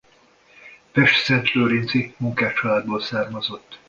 Pestszentlőrinci munkáscsaládból származott.